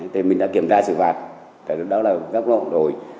thì mình đã kiểm tra sự phạt đó là góc lộn rồi